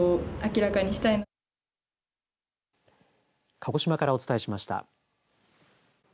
鹿児島からお伝えしました。